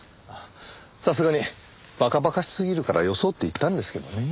さすがに馬鹿馬鹿しすぎるからよそうって言ったんですけどね。